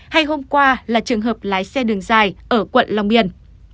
hay hôm qua là trường hợp lái xe đường dài ở quận long biên